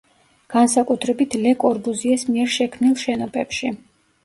განსაკუთრებით ლე კორბუზიეს მიერ შექმნილ შენობებში.